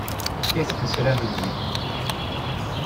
Qu’est-ce que cela veut dire?